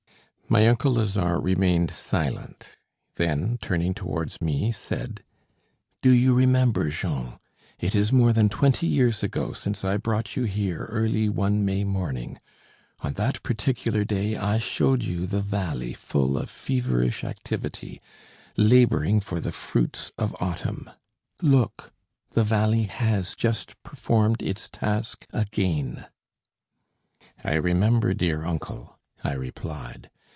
My uncle Lazare remained silent; then, turning towards me, said: "Do you remember, Jean? It is more than twenty years ago since I brought you here early one May morning. On that particular day I showed you the valley full of feverish activity, labouring for the fruits of autumn. Look; the valley has just performed its task again." "I remember, dear uncle," I replied.